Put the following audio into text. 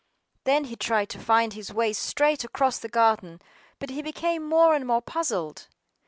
THEN he tried to find his way straight across the garden, but he became more and more puzzled.